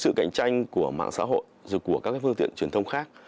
sự cạnh tranh của mạng xã hội và các phương tiện truyền thông khác